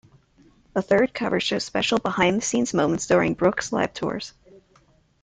A third cover shows special "behind the scenes" moments during Brooks' live tours.